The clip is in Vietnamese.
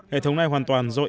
hệ thống này hoàn toàn do iran